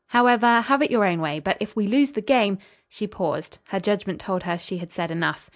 However, have it your own way. But if we lose the game " She paused. Her judgment told her she had said enough.